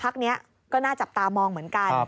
พักนี้ก็น่าจับตามองเหมือนกัน